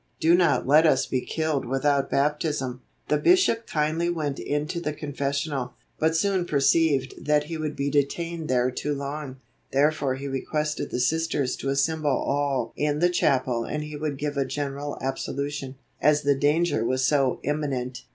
Do not let us be killed without baptism.' The Bishop kindly went into the confessional, but soon perceived that he would be detained there too long; therefore he requested the Sisters to assemble all in the chapel and he would give a general absolution, as the danger was so imminent.